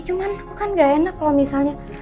cuman aku kan gak enak kalau misalnya